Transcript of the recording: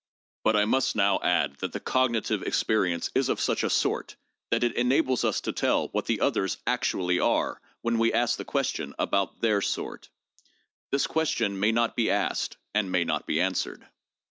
But I must now add that the cognitive experience is of such a 'sort' that it enables us to tell what the others actually are when we ask the question about their sort. This question may not be asked and may not be answered.